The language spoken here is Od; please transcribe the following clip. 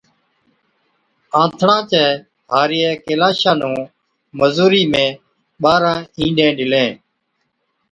آنٿڻان چَي هارِيئَي ڪيلاشا نُون مزُورِي ۾ ٻارهن اِينڏين ڏِلين۔